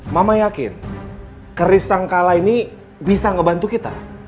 mama yakin keris sangkala ini bisa ngebantu kita